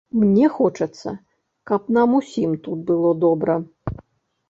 Мне хочацца, каб нам усім тут было добра.